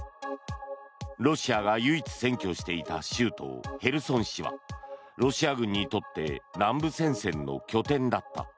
ロシアが唯一占拠していた州都ヘルソン市はロシア軍にとって南部戦線の拠点だった。